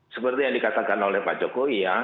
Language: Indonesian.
seperti yang dikatakan oleh pak jokowi ya